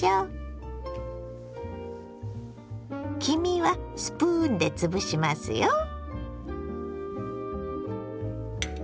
黄身はスプーンでつぶしますよ。